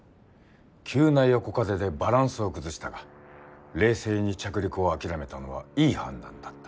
急な横風でバランスを崩したが冷静に着陸を諦めたのはいい判断だった。